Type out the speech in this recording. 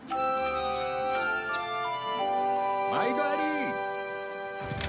毎度あり。